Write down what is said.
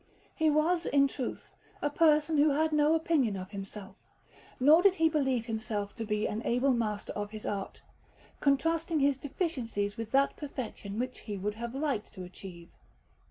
He was, in truth, a person who had no opinion of himself, nor did he believe himself to be an able master of his art, contrasting his deficiencies with that perfection which he would have liked to achieve.